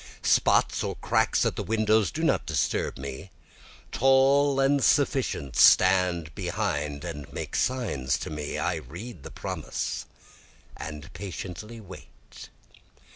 Spots or cracks at the windows do not disturb me, Tall and sufficient stand behind and make signs to me, I read the promise and patiently wait.